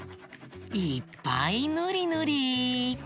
いっぱいぬりぬり！